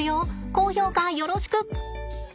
高評価よろしく！